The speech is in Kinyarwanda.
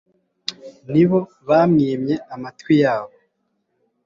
nibo bamwimye amatwi yabo